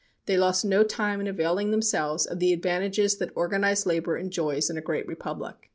They lost no time in availing themselves of the advantages that organized labor enjoys in a great republic.